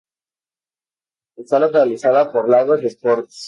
Está organizada por Lagos Sports.